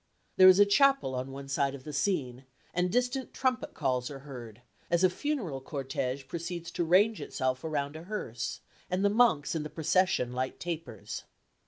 There is a chapel on one side of the scene, and distant trumpet calls are heard as a funeral cortège proceeds to range itself around a hearse, and the monks in the procession light tapers.